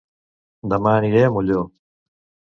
Dema aniré a Molló